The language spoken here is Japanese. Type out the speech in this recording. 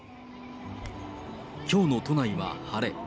きょうの都内は晴れ。